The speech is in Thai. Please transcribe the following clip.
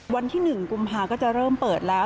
วันที่๑กุมภาก็จะเริ่มเปิดแล้ว